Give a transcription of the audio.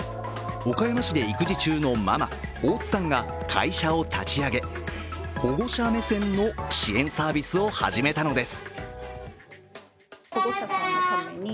岡山市で育児中のママ、大津さんが会社を立ち上げ保護者目線の支援サービスを始めたのです。